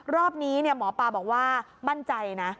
รอบนี้หมอปลาบอกว่ามั่นใจนะ